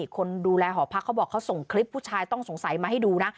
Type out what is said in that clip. คนดูแลหอพักบอกเขาส่งนี้ต้องสงสัยมาให้ดูนะ